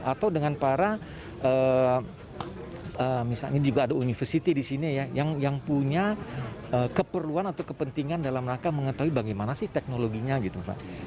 atau dengan para misalnya juga ada university di sini ya yang punya keperluan atau kepentingan dalam rangka mengetahui bagaimana sih teknologinya gitu pak